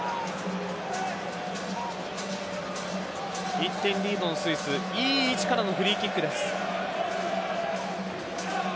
１点リードのスイスいい位置からのフリーキックです。